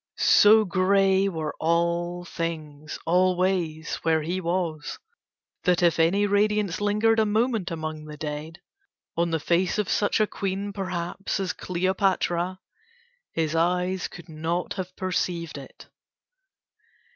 So grey were all things always where he was that if any radiance lingered a moment among the dead, on the face of such a queen perhaps as Cleopatra, his eyes could not have perceived it.